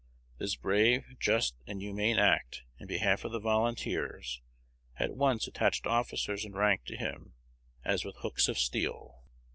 This brave, just, and humane act in behalf of the volunteers at once attached officers and rank to him, as with hooks of steel."